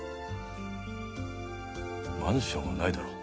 マンションはないだろう。